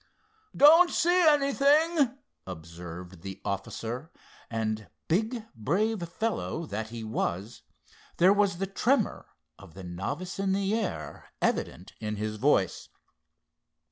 "Don't see anything," observed the officer, and, big, brave fellow that he was, there was the tremor of the novice in air evident in his voice.